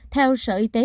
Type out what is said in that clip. theo sở y tế